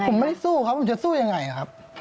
ผมไม่สู้เขาผมจะสู้ยังไงครับ